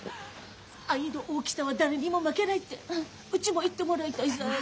「愛の大きさは誰にも負けない」ってうちも言ってもらいたいさぁ。